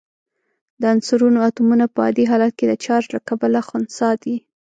د عنصرونو اتومونه په عادي حالت کې د چارج له کبله خنثی دي.